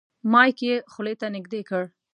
مایک یې خولې ته نږدې کړ.